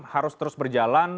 harus terus berjalan